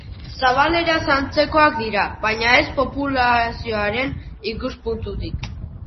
Zabaleraz antzekoak dira baina ez populazioaren ikuspuntutik.